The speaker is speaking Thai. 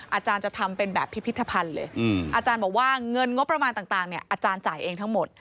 อาจารย์จะทำเป็นแบบพิพิธภัณฑ์เลยอาจารย์บอกว่าเงินงบประมาณต่างเนี่ยอาจารย์จ่ายเองทั้งหมด